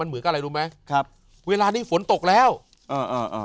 เหมือนกับอะไรรู้ไหมครับเวลานี้ฝนตกแล้วอ่าอ่า